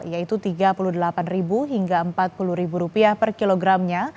yaitu rp tiga puluh delapan hingga rp empat puluh per kilogramnya